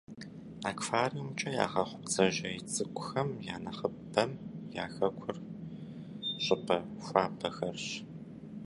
Аквариумкӏэ ягъэхъу бдзэжьей цӏыкӏухэм я нэхъыбэм я хэкур щӏыпӏэ хуабэхэрщ.